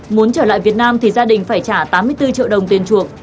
muốn trở lại việt nam thì gia đình phải trả tám mươi bốn triệu đồng tiền chuộc